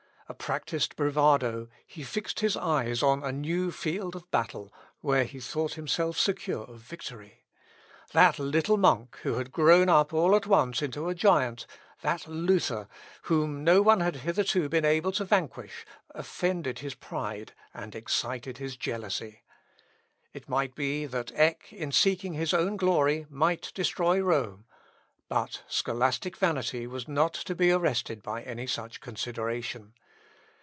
A practised bravado, he fixed his eyes on a new field of battle, where he thought himself secure of victory. That little monk, who had grown up all at once into a giant, that Luther, whom no one had hitherto been able to vanquish, offended his pride, and excited his jealousy. It might be that Eck, in seeking his own glory, might destroy Rome ... but scholastic vanity was not to be arrested by any such consideration.